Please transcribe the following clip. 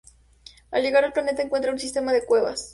Al llegar al planeta, encuentran un sistema de cuevas.